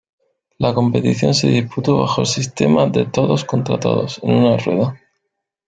La competición se disputó bajo el sistema de todos contra todos, en una rueda.